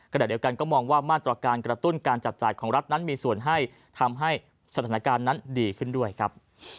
ขณะเดียวกันก็มองว่ามาตรการกระตุ้นการจับจ่ายของรัฐนั้นมีส่วนให้ทำให้สถานการณ์นั้นดีขึ้นด้วยครับ